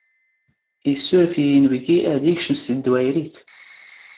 ⵉⵙⵙⵓⵔⴼ ⵉ ⵢⵉⵏⴱⴳⵉ ⴰⴷ ⵉⴽⵛⵎ ⵙ ⵜⴷⴷⵡⴰⵢⵔⵉⵜ.